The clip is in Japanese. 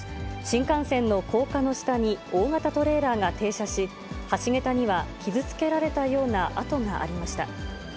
新幹線の高架の下に大型トレーラーが停車し、橋桁には傷つけられたような跡がありました。